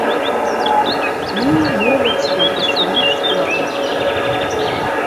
Ну, моладзь там па сваіх справах.